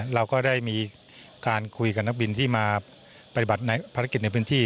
เราก็ได้มีการคุยกับนักบินที่มาปฏิบัติภารกิจในพื้นที่